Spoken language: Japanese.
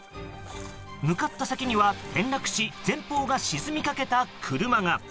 向かった先には転落し前方が沈みかけた車が。